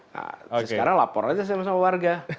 nah sekarang lapor aja sama sama warga